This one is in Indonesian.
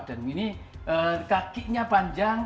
dan ini kakinya panjang